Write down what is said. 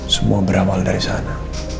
semua berawal dari sana